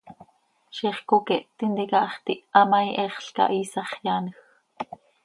Ziix coqueht tintica hax tiha ma, ihexl cah, iisax yaanj.